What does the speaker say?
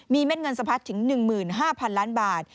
มีเม็ดเงินสะพัดถึง๑๕๐๐๐ล้านบาท